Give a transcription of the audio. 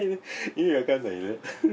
意味わかんないよね。